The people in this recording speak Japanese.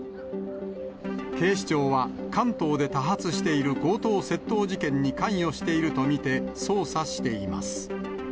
警視庁は関東で多発している強盗窃盗事件に関与していると見て捜査しています。